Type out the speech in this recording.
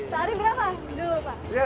tari berapa dulu pak